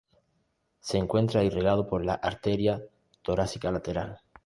Se encuentra irrigado por la arteria torácica lateral.